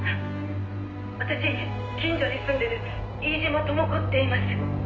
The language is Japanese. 「私近所に住んでる飯島智子っていいます」